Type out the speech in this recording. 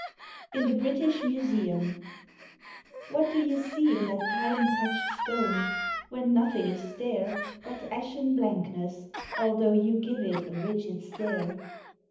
IN THE BRITISH MUSEUM "WHAT do you see in that time touched stone, When nothing is there But ashen blankness, although you give it A rigid stare?